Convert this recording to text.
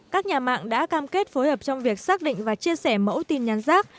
các nhà mạng đã cam kết phối hợp trong việc xác định và chia sẻ mẫu tin nhắn rác